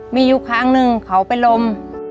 มียุคครั้งหนึ่งเข้าไปลง